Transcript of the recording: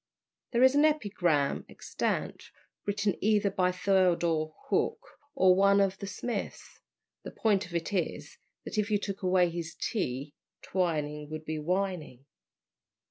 There is an epigram extant, written either by Theodore Hook or one of the Smiths; the point of it is, that if you took away his T, Twining would be Wining.